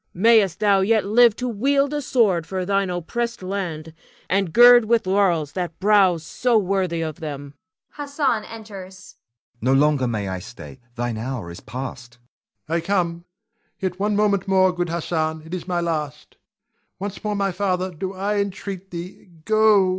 Mayst thou yet live to wield a sword for thine oppressed land, and gird with laurels that brow so worthy them. [Hassan enters. Hassan. No longer may I stay: thine hour is past. Ion. I come, yet one moment more, good Hassan; it is my last. [Exit Hassan.] Once more, my father, do I entreat thee, go.